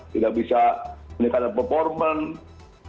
tidak bisa melakukan performance